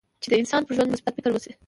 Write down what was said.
چې د انسان پر ژوند مثبت فکر وشي.